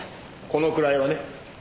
このくらいはね。